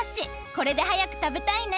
これではやくたべたいね！